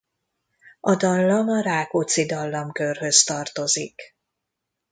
A dallam a Rákóczi-dallamkörhöz tartozik.